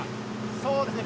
そうですね。